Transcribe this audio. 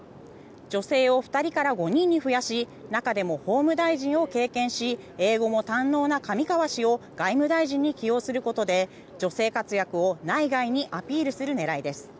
女性を２人から５人に増やし中でも法務大臣を経験し英語も堪能な上川氏を外務大臣に起用することで女性活躍を内外にアピールする狙いです。